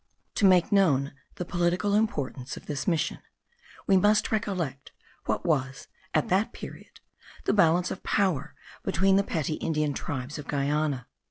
To make known the political importance of this Mission, we must recollect what was at that period the balance of power between the petty Indian tribes of Guiana.